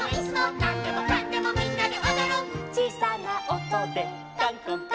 「なんでもかんでもみんなでおどる」「ちいさなおとでかんこんかん」